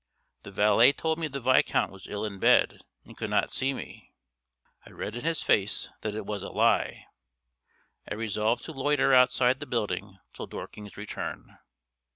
The valet told me the Viscount was ill in bed, and could not see me. I read in his face that it was a lie. I resolved to loiter outside the building till Dorking's return.